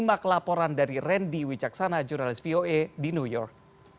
simak laporan dari randy wijaksana jurnalis voa di new york